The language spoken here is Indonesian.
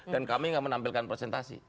dan kami tidak menampilkan presentasi